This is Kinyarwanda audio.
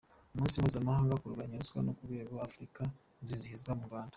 Umunsi mpuzamahanga wo kurwanya ruswa ku rwego rwa Afurika uzizihirizwa mu Rwanda